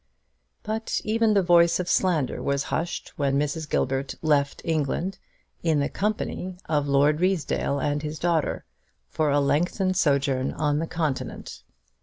But even the voice of slander was hushed when Mrs. Gilbert left England in the company of Lord Ruysdale and his daughter for a lengthened sojourn on the Continent.